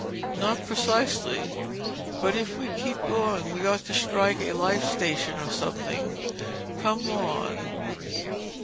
"Not precisely. But if we keep going we ought to strike a lifesaving station or something—come on."